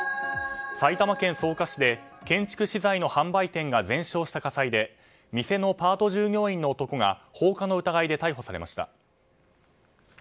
埼玉県草加市で建築資材の販売店が全焼した火災で店のパート従業員の男が放火の疑いで逮捕されました。